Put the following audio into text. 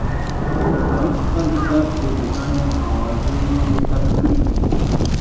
هغه په خپل کتاب کې ګڼې اوازې ثبت کړې دي.